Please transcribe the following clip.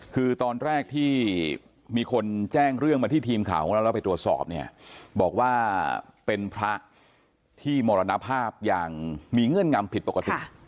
คือตอนแรกที่มีคนแจ้งเรื่องมาที่ทีมข่าวของเราแล้วไปตรวจสอบเนี่ยบอกว่าเป็นพระที่มรณภาพอย่างมีเงื่อนงำผิดปกติ